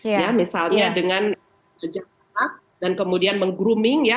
ya misalnya dengan jaksa dan kemudian meng grooming ya